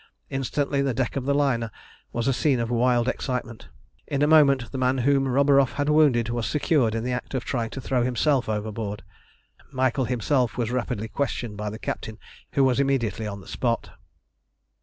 Instantly the deck of the liner was a scene of wild excitement. In a moment the man whom Roburoff had wounded was secured in the act of trying to throw himself overboard. Michael himself was rapidly questioned by the captain, who was immediately on the spot.